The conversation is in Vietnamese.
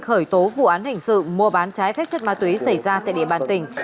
khởi tố vụ án hình sự mua bán trái phép chất ma túy xảy ra tại địa bàn tỉnh